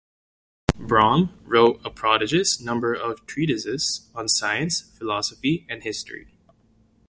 Brougham wrote a prodigious number of treatises on science, philosophy, and history.